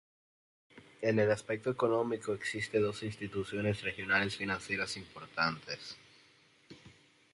En el aspecto económico existe dos instituciones regionales financieras importantes.